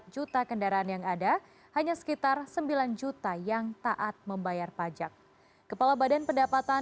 juta kendaraan yang ada hanya sekitar sembilan juta yang taat membayar pajak kepala badan pendapatan